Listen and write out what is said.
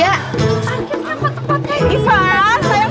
akhirnya apa tempatnya ini